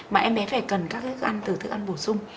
mà em bé phải cần các cái ăn từ thức ăn bổ sung